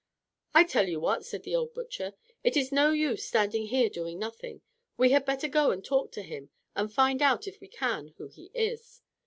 "I tell you what," said the old butcher, "it is no use standing here doing nothing. We had better go and talk to him, and find out, if we can, who he is.